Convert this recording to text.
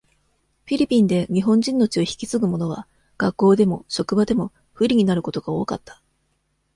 フィリピンで、日本人の血を引き継ぐものは、学校でも、職場でも、不利になることが多かった。